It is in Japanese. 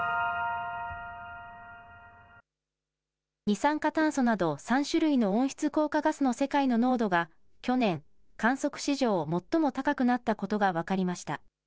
二酸化炭素など３種類の温室効果ガスの世界の濃度が去年、観測史上、最も高くなったことが分かりました。